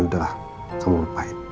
udah lah kamu lupain